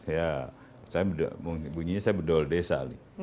ya saya bunyinya saya berdol desa